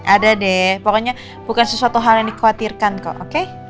ada deh pokoknya bukan sesuatu hal yang dikhawatirkan kok oke